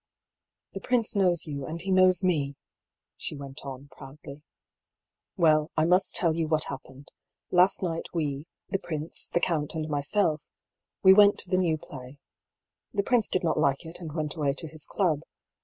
" The prince knows you, and he knows me," she went on, proudly. " Well, I must tell you what hap pened. Last night, we — the prince', the count, and myself — we went to the new play. The prince did not like it, and went away to his club.